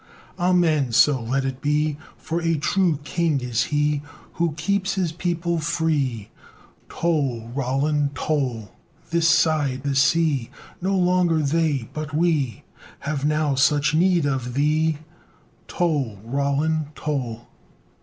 Amen! So let it be; For a true king is he Who keeps his people free. Toll! Roland, toll! This side the sea! No longer they, but we, Have now such need of thee! Toll! Roland, toll!